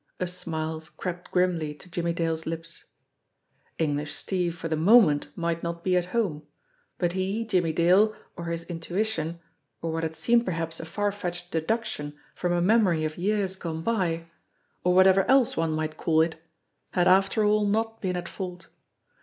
A smile crept grimly to Jimmie Dale's lips. English Steve for the moment might not be at home ; but he, Jimmie Dale, or his intuition, or what had seemed perhaps a far fetched ENGLISH STEVE 173 deduction from a memory of years gone by, or whatever else one might call it, had after all not been at fault.